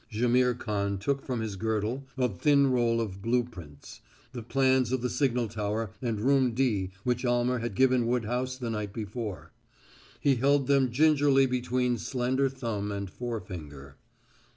Jaimihr Khan took from his girdle a thin roll of blue prints the plans of the signal tower and Room D which Almer had given Woodhouse the night before. He held them gingerly between slender thumb and forefinger.